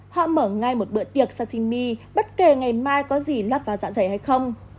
họ mở ngay một bữa tiệc sashimi bất kể ngày mai có gì lắt vào dạ dày hay không